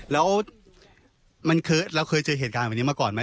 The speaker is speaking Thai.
แล้วเราเคยเจอเหตุการณ์แบบนี้มาก่อนไหม